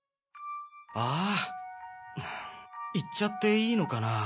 ああ言っちゃっていいのかな？